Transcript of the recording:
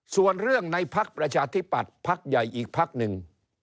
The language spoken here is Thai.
ส่วนเรื่องในพักประชาธิปัตย์พักใหญ่อีกพักหนึ่ง